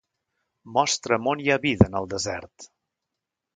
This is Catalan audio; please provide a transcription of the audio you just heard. Mostra'm on hi ha vida en el desert.